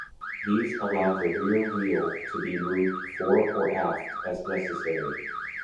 These allow the rear wheel to be moved fore or aft as necessary.